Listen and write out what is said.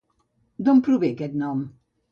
D'on prové aquest nom?